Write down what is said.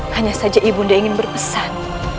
hanya saja ibunda ingin berpesan